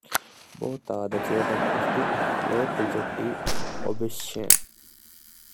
Both are the children of the late Richard D. Obenshain.